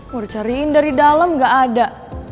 udah cariin dari dalam gak ada